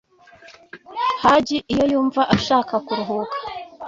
Haji iyo yumva ashaka kuruhuka